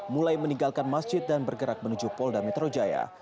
mulai meninggalkan masjid dan bergerak menuju polda metro jaya